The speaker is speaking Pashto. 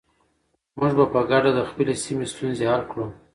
موږ به په ګډه د خپلې سیمې ستونزې حل کړو.